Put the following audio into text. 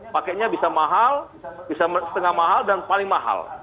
paketnya bisa mahal bisa setengah mahal dan paling mahal